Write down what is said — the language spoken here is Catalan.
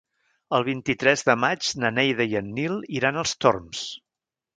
El vint-i-tres de maig na Neida i en Nil iran als Torms.